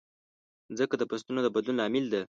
مځکه د فصلونو د بدلون لامل ده.